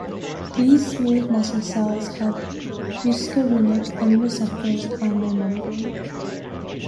These smooth muscle cells have muscarinic M receptors on their membrane.